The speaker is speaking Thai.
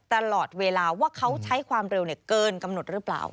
ตลอดเวลาว่าเขาใช้ความเร็วเกินกำหนดหรือเปล่า